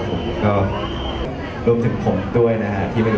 ก็ไม่มีคนกลับมาหรือเปล่า